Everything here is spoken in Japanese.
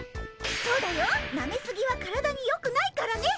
そうだよなめすぎは体によくないからね。